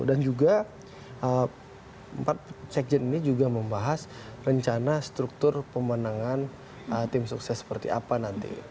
dan juga empat sekjen ini juga membahas rencana struktur pemenangan tim sukses seperti apa nanti